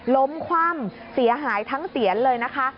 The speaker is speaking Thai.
คว่ำเสียหายทั้งเสียนเลยนะคะ